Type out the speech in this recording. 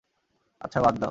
আচ্ছা বাদ দাও।